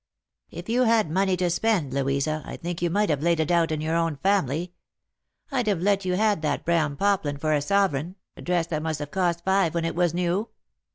" If you had money to spend, Louisa, I think you might have laid it out in your own family. I'd have let you had that brown poplin for a sovereign — a dress that must have cost five when it was new."